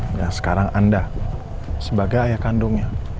nah sekarang anda sebagai ayah kandungnya